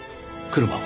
車を。